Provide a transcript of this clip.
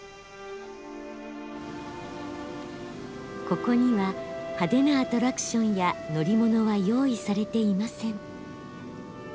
ここには派手なアトラクションや乗り物は用意されていません。